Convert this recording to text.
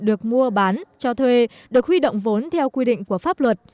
được mua bán cho thuê được huy động vốn theo quy định của pháp luật